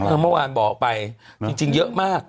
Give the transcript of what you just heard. เมื่อวานบอกไปจริงเยอะมาก